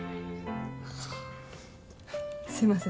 すみません。